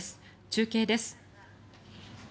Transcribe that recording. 中継です。